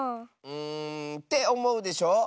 んっておもうでしょ？